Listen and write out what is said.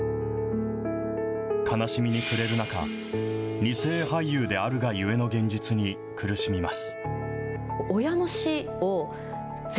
悲しみに暮れる中、二世俳優であるがゆえの現実に苦しみます。